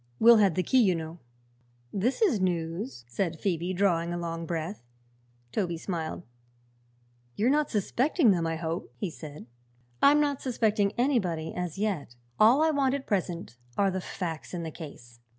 Will had the key, you know." "This is news," said Phoebe, drawing a long breath. Toby smiled. "You're not suspecting them, I hope?" he said. "I'm not suspecting anybody, as yet. All I want at present are the facts in the case.